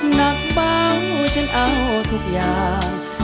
หนักเบาฉันเอาทุกอย่าง